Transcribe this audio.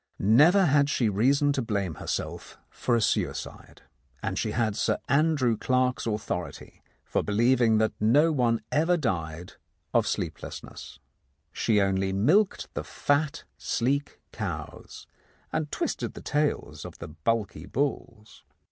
Never had she had reason to blame herself for a suicide, and she had Sir Andrew Clarke's authority for believing that no one ever died of sleep lessness. She only milked the fat, sleek cows, and twisted the tails of the bulky bulls.